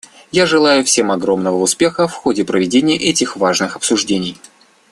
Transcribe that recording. Я желаю всем огромного успеха в ходе проведения этих важных обсуждений.